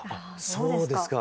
そうですか？